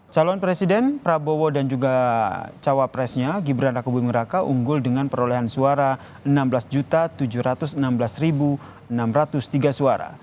calon presiden prabowo dan juga cawapresnya gibran raka buming raka unggul dengan perolehan suara enam belas tujuh ratus enam belas enam ratus tiga suara